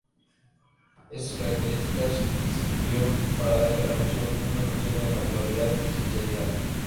Estas características se incluyeron para dar al anuncio una impresión de naturalidad y sinceridad.